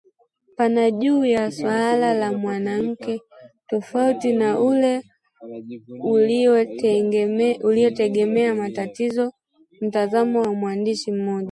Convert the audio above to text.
pana juu ya suala la mwanamke tofauti na ule uliotegemea mtazamo wa mwandishi mmoja